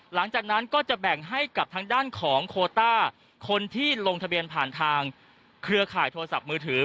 หลังจากนั้นก็จะแบ่งให้กับทางด้านของโคต้าคนที่ลงทะเบียนผ่านทางเครือข่ายโทรศัพท์มือถือ